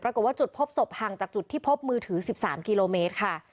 ปรากฏว่าจุดพบศพห่างจากจุดที่พบมือถือ๑๓กิโลเมตรค่ะ